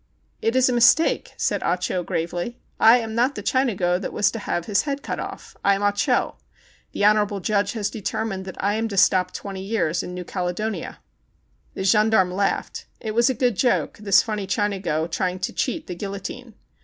"It is a mistake," said Ah Cho, gravely. "I am not the Chinago that is to have his head cut off. I am Ah Cho. The honorable judge has determined that I am to stop twenty years in New Caledonia." The gendarme laughed. It was a good joke, this funny Chinago trying to cheat the guillo tine.